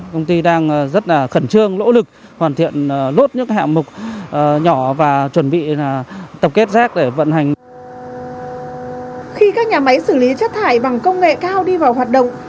khi các nhà máy xử lý chất thải bằng công nghệ cao đi vào hoạt động